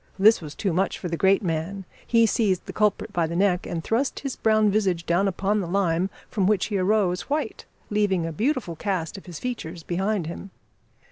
This was too much for the great man. He seized the culprit by the neck, and thrust his brown visage down upon the lime, from which he arose white, leaving a beautiful cast of his features behind him.